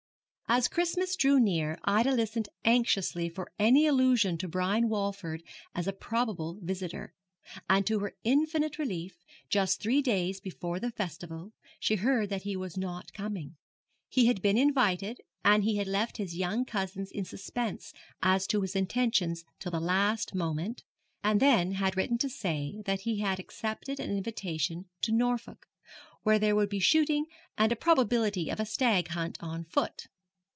As Christmas drew near Ida listened anxiously for any allusion to Brian Walford as a probable visitor; and to her infinite relief, just three days before the festival, she heard that he was not coming. He had been invited, and he had left his young cousins in suspense as to his intentions till the last moment, and then had written to say that he had accepted an invitation to Norfolk, where there would be shooting, and a probability of a stag hunt on foot.